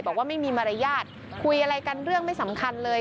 บอกว่าไม่มีมารยาทคุยอะไรกันเรื่องไม่สำคัญเลย